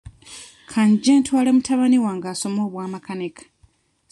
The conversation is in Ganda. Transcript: Ka nje ntwale mutabani wange asome obwa makanika.